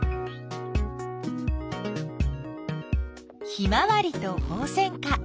ヒマワリとホウセンカ